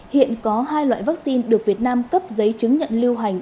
hiện có hai loại vaccine được việt nam cấp giấy chứng nhận lưu hành